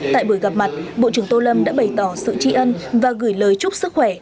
tại buổi gặp mặt bộ trưởng tô lâm đã bày tỏ sự tri ân và gửi lời chúc sức khỏe